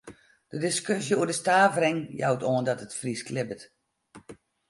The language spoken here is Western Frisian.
De diskusje oer de stavering jout oan dat it Frysk libbet.